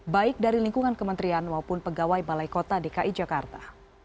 baik dari lingkungan kementerian maupun pegawai balai kota dki jakarta